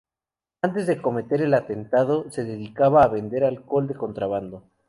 Antes de cometer el atentado, se dedicaba a vender alcohol de contrabando.